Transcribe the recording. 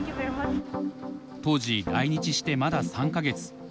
当時来日してまだ３か月。